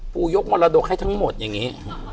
ยกมรดกให้ทั้งหมดอย่างนี้